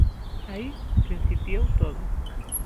Aí principiou todo.